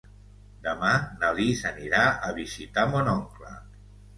Demà na Lis anirà a visitar mon oncle.